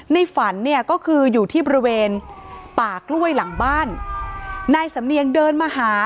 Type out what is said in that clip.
ในฝันเนี่ยก็คืออยู่ที่บริเวณป่ากล้วยหลังบ้านนายสำเนียงเดินมาหา